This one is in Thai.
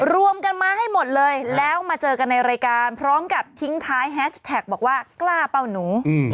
รวมกันมาให้หมดเลยแล้วมาเจอกันในรายการพร้อมกับทิ้งท้ายแฮชแท็กบอกว่ากล้าเป้าหนู